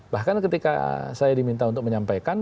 bahkan ketika saya diminta untuk menyampaikan